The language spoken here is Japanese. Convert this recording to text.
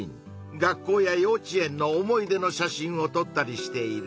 学校やようちえんの思い出の写真をとったりしている。